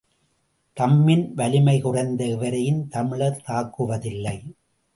தம்மின் வலிமைகுறைந்த எவரையும் தமிழர் தாக்குவதில்லை.